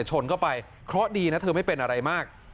ชนเข้าไปเพราะดีนะเธอไม่เป็นอะไรมาก